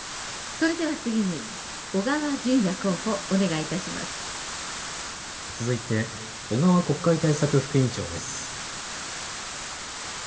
それでは次に、小川淳也候補、お続いて、小川国会対策副委員長です。